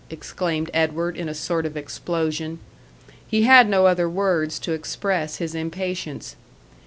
exclaimed Edward, in a sort of explosion. He had no other words to express his impatience.